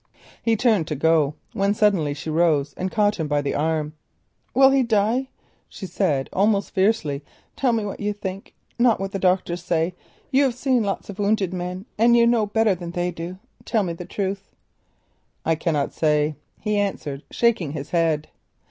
He turned to go, when suddenly she rose and caught him by the arm. "Will he die?" she said almost fiercely. "Tell me what you think—not what the doctors say; you have seen many wounded men and know better than they do. Tell me the truth." "I cannot say," he answered, shaking his head.